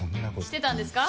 してたんですか？